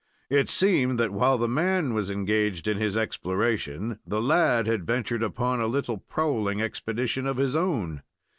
It seemed that, while the man was engaged in his exploration, the lad had ventured upon a little prowling expedition of his own.